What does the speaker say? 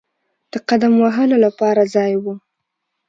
د قدم وهلو لپاره ځای وو.